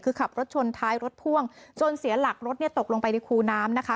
คือขับรถชนท้ายรถพ่วงจนเสียหลักรถตกลงไปในครูน้ำ